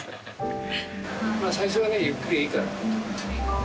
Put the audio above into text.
最初はゆっくりでいいから。